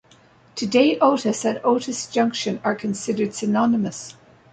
Today Otis and Otis Junction are considered synonymous.